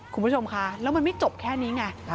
คุณผู้ชมคะแล้วมันไม่จบแค่นี้ไง